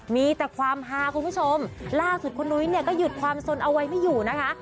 มีแต่ความฮาคุณผู้ชมล่าสุดคุณนุ้ยเนี่ยก็หยุดความสนเอาไว้ไม่อยู่นะคะ